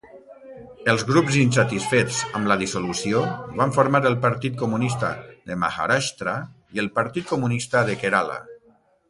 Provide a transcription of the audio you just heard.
Els grups insatisfets amb la dissolució van formar el Partit Comunista de Maharashtra i el Partit Comunista de Kerala.